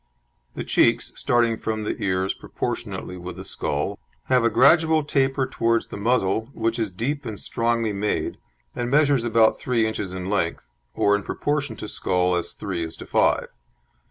The cheeks, starting from the ears proportionately with the skull, have a gradual taper towards the muzzle, which is deep and strongly made, and measures about three inches in length, or in proportion to skull as three is to five.